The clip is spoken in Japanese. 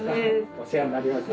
お世話になりました。